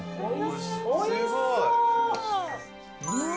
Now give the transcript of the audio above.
おいしそう。